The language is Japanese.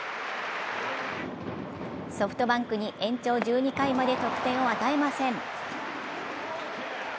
ソフトバンクに延長１２回まで得点を与えません。